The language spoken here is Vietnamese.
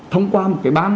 thông qua một cái ban